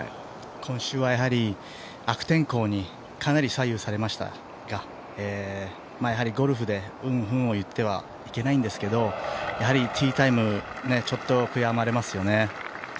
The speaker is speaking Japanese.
今週はやはり悪天候にかなり左右されましたが、ゴルフで運不運を言ってもいけないんですけれども、やはりティータイム、ちょっと悔やまれますよね。